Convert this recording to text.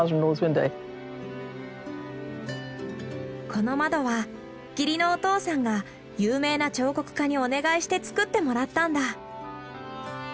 この窓は義理のお父さんが有名な彫刻家にお願いして作ってもらったんだ。